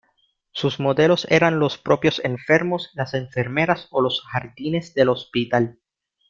Sus modelos eran los propios enfermos, las enfermeras o los jardines del hospital.